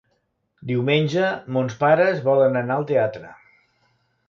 Diumenge mons pares volen anar al teatre.